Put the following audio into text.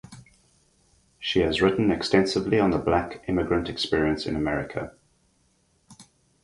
She has written extensively on the Black immigrant experience in America.